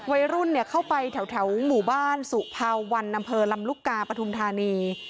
วัยรุ่นเข้าไปแถวหมู่บ้านสุภาวันอำเภอลำลูกกาปฐุมธานี